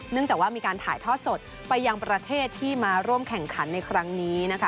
จากว่ามีการถ่ายทอดสดไปยังประเทศที่มาร่วมแข่งขันในครั้งนี้นะคะ